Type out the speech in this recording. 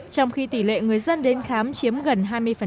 trong khi tỷ lệ người dân đến khám chiếm gần hai mươi